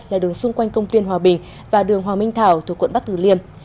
là đường xung quanh công viên hòa bình và đường hoàng minh thảo thuộc quận bắc tử liêm